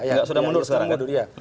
ya sudah mundur sekarang ya